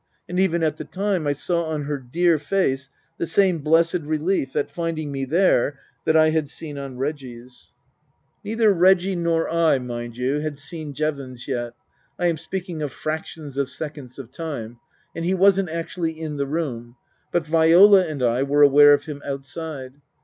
And even at the time I saw on her dear face the same blessed relief (at finding me there) that I had seen on Reggie's. 42 Tasker Jevons Neither Reggie nor I, mind you, had seen Jevons yet (I am speaking of fractions of seconds of time) ; and he wasn't actually in the room ; but Viola and I were aware of him outside.